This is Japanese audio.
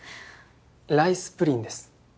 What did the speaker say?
ライスプリンです。